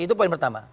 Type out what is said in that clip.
itu poin pertama